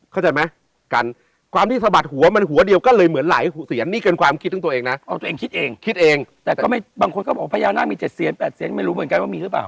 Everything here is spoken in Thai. เข้าใจไหมกันความที่สะบัดหัวมันหัวเดียวก็เลยเหมือนหลายหัวเสียนนี่เกินความคิดของตัวเองนะเอาตัวเองคิดเองคิดเองแต่ก็ไม่บางคนก็บอกพญานาคมี๗เสียน๘เสียนไม่รู้เหมือนกันว่ามีหรือเปล่า